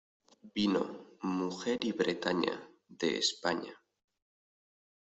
vino, mujer y Bretaña , de España.